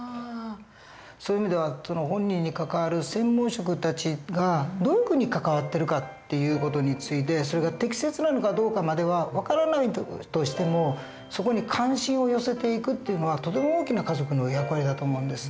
そういう意味では本人に関わる専門職たちがどういうふうに関わってるかっていう事についてそれが適切なのかどうかまでは分からないとしてもそこに関心を寄せていくっていうのはとても大きな家族の役割だと思うんです。